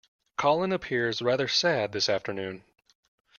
Colin appears rather sad this afternoon